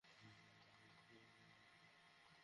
Danny, আমি করেছি।